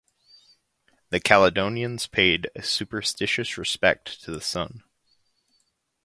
The Caledonians paid a superstitious respect to the sun.